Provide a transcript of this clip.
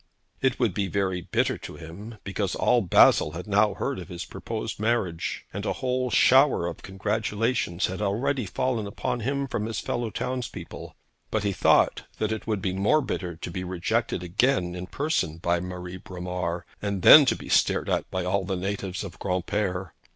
It would be very bitter to him, because all Basle had now heard of his proposed marriage, and a whole shower of congratulations had already fallen upon him from his fellow townspeople: but he thought that it would be more bitter to be rejected again in person by Marie Bromar, and then to be stared at by all the natives of Granpere.